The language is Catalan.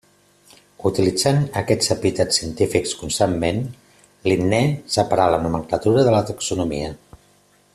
Utilitzant aquests epítets científics constantment, Linné separà la nomenclatura de la taxonomia.